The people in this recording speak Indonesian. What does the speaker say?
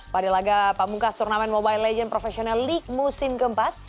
pada laga pamungkas turnamen mobile legend professional league musim keempat